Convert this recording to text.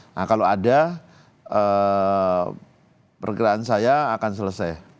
nah kalau ada perkiraan saya akan selesai